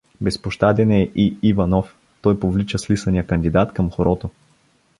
Безпощаден е и Иванов: той повлича слисания кандидат към хорото.